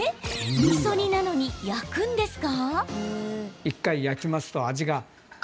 みそ煮なのに焼くんですか？